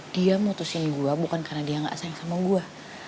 dia mutusin gue bukan karena dia gak sayang sama gue